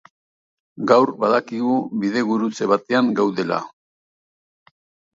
Gaur badakigu bidegurutze batean gaudela.